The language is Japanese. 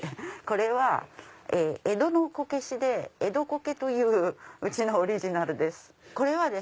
これは江戸のこけしで江戸コケといううちのオリジナルです。